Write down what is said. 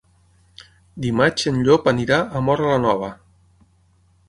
Dimarts en Llop anirà a Móra la Nova.